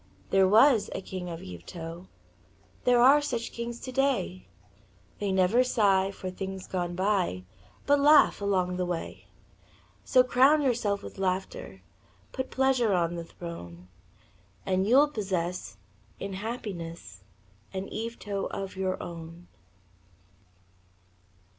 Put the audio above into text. There was a king of Yvetot There are such kings today; They never sigh for things gone by But laugh along the way. So, crown yourself with laughter, Put pleasure on the throne, And you'll possess in happiness An Yvetot of your own.